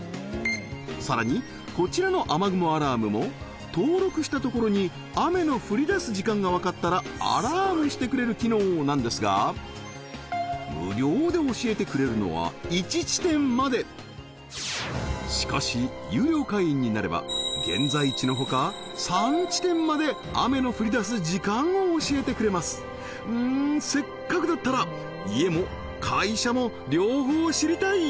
さらにこちらの雨雲アラームも登録したところに雨の降り出す時間がわかったらアラームしてくれる機能なんですが無料で教えてくれるのは１地点までしかし有料会員になれば現在地のほか３地点まで雨の降り出す時間を教えてくれますうんせっかくだったら家も会社も両方知りたい！